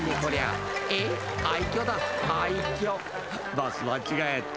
［バス間違えて！］